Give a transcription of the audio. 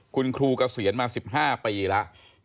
คุณครูเกราะเสียรมา๑๕ปีแล้ว